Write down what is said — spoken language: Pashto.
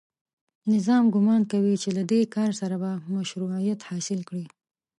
نظام ګومان کوي چې له دې کار سره به مشروعیت حاصل کړي